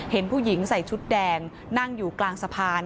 เห็นผู้หญิงใส่ชุดแดงนั่งอยู่กลางสะพาน